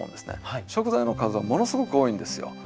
食材の数はものすごく多いんですよ。